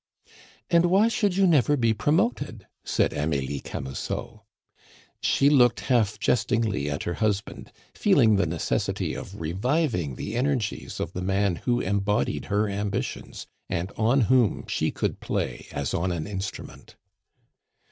"And why should you never be promoted?" said Amelie Camusot. She looked half jestingly at her husband, feeling the necessity of reviving the energies of the man who embodied her ambitions, and on whom she could play as on an instrument.